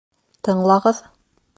Тыңлағыҙ!